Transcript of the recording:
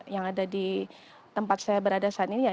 yang ada di tempat saya berada saat ini